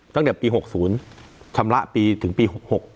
ตั้งแต่ปี๖๐ชำระปีถึงปี๖๖